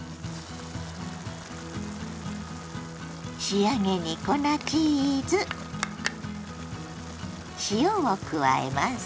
仕上げに粉チーズ塩を加えます。